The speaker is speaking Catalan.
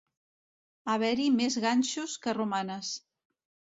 Haver-hi més ganxos que romanes.